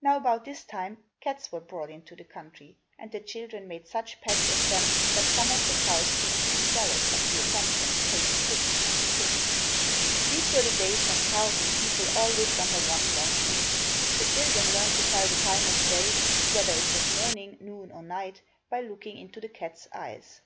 Now about this time, cats were brought into the country and the children made such pets of them that some of the cows seemed to be jealous of the attentions paid to Pussy and the kittens. These were the days when cows and people all lived under one long roof. The children learned to tell the time of day, whether it was morning, noon or night by looking into the cats' eyes.